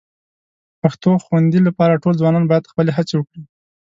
پښتو خوندي لپاره ټول ځوانان باید خپلې هڅې وکړي